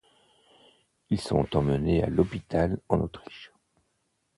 Ils sont emmené à l'hôpital en Autriche.